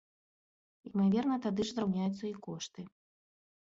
Імаверна, тады ж зраўняюцца і кошты.